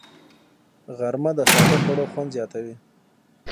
غرمه د ساده خوړو خوند زیاتوي